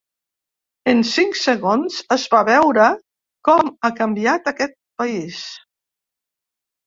En cinc segons es va veure com ha canviat aquest país.